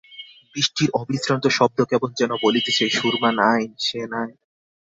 বৃষ্টির অবিশ্রান্ত শব্দ কেবল যেন বলিতেছে, সুরমা নাই–সে নাই।